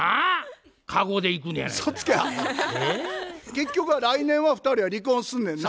結局は来年は２人は離婚すんねんな？